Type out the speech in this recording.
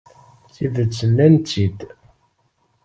Tidet, nnant-tt-id.